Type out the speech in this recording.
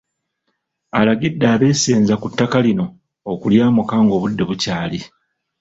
Alagidde abeesenza ku ttaka lino okulyamuka ng'obudde bukyali.